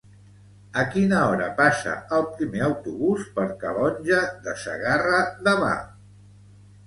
A quina hora passa el primer autobús per Calonge de Segarra demà?